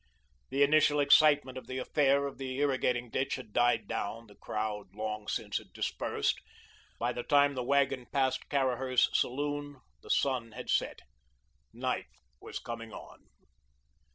The initial excitement of the affair of the irrigating ditch had died down; the crowd long since had dispersed. By the time the wagon passed Caraher's saloon, the sun had set. Night was coming on.